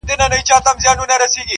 له یوه ورانه تر بل پوري به پلن وو!!